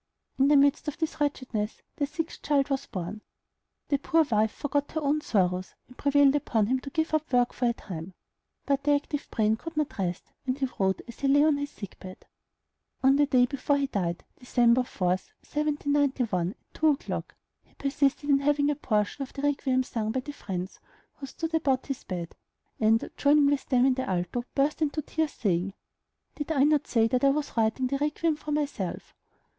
In the midst of this wretchedness their sixth child was born. The poor wife forgot her own sorrows, and prevailed upon him to give up work for a time; but the active brain could not rest, and he wrote as he lay on his sick bed. On the day before he died, Dec. 4, 1791, at two o'clock, he persisted in having a portion of the "Requiem" sung by the friends who stood about his bed, and, joining with them in the alto, burst into tears, saying, "Did I not say that I was writing the 'Requiem' for myself?"